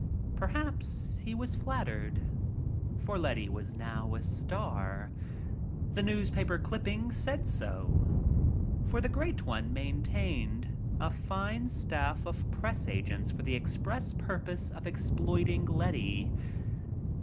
Perhaps he was flattered, for Letty was now a star; the newspaper clippings said so. For the Great One maintained a fine staff of press agents for the express purpose of exploiting Letty.